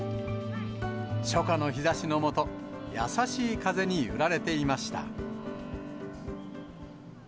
初夏の日ざしの下、優しい風に揺られていました。